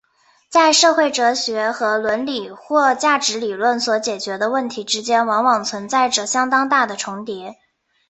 在社会哲学和伦理或价值理论所解决的问题之间往往存在着相当大的重叠。